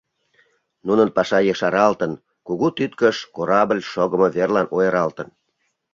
Нунын паша ешаралтын: кугу тӱткыш корабль шогымо верлан ойыралтын.